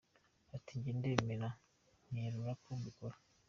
Ati “jye ndemera nkerura ko mbikora.